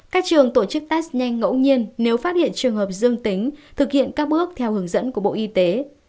các trường tổ chức test nhanh ngẫu nhiên nếu phát hiện trường hợp dương tính thực hiện các bước theo hướng dẫn của bộ y tế